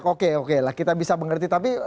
oke oke lah kita bisa mengerti tapi